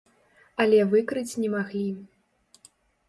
Але выкрыць не маглі.